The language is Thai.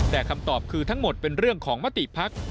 แต่คำตอบคือทั้งหมดเป็นเรื่องของมติภักดิ์